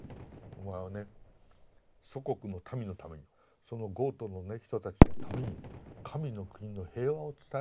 お前はね祖国の民のためにそのゴートのね人たちのために神の国の平和を伝えろと。